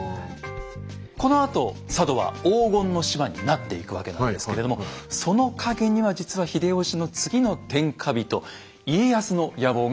このあと佐渡は黄金の島になっていくわけなんですけれどもその陰には実は秀吉の次の天下人家康の野望があったんです。